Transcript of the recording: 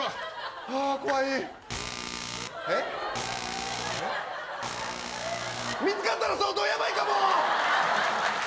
あ怖い見つかったら相当ヤバいかも！